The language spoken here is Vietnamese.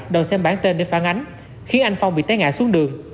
đồ xem bản tên để phản ánh khiến anh phong bị té ngạ xuống đường